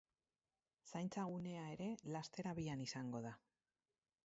Zaintza gunea ere laster abian izango da.